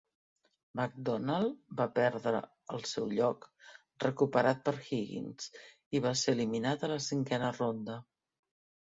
McDonald va perdre el seu lloc, recuperat per Higgins, i va ser eliminat a la cinquena ronda.